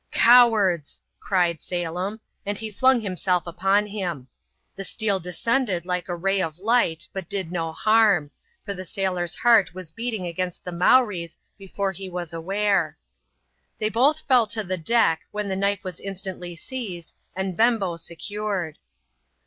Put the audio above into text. " Cowards !'* cried Salem, and he flung himself upon him. The steel descended like a ray of light ; but did no harm ; f(H* the sailor's heart was beating against the Mowree's before he was aware. They both fell to the deck, when the knife was instantly seized, and Bembo secured.